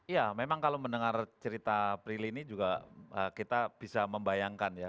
ya memang kalau mendengar cerita prilly ini juga kita bisa membayangkan ya